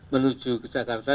menuju ke jakarta